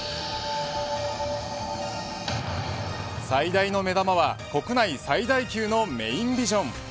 最大の目玉は国内最大級のメインビジョン